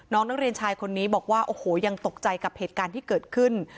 น้องนักเรียนชายคนนี้บอกว่าโอ้โหยังตกใจกับเหตุการณ์ที่เกิดขึ้น